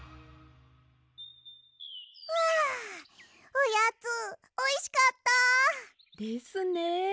おやつおいしかった。ですね。